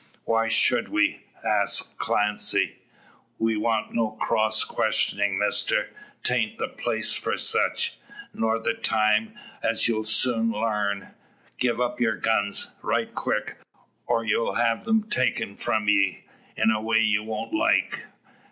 "Why should we?" asks Clancy. "We want no cross questionin', Mister. 'Tain't the place for sech, nor the time, as you'll soon larn. Give up yer guns! Right quick, or you'll have them taken from ye, in a way you won't like."